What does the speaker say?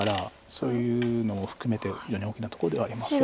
そういうのを含めて非常に大きなとこではあります。